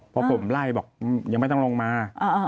พอผมไล่บอกยังไม่ต้องลงมา